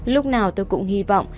lúc nào tôi cũng hy vọng